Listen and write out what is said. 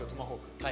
はい。